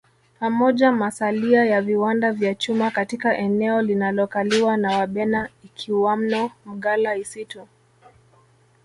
Pamoja masalia ya viwanda vya chuma katika eneo linalokaliwa na Wabena ikiwamno Mgala Isitu